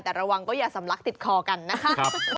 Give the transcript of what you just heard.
แต่ระวังก็อย่าสำลักติดคอกันนะคะ